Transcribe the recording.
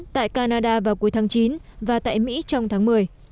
tại canada vào cuối tháng chín và tại mỹ trong tháng một mươi